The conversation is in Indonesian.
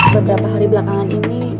beberapa hari belakangan ini